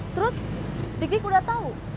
terus dikik udah tau